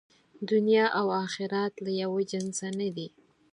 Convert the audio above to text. دنیا او آخرت له یوه جنسه نه دي.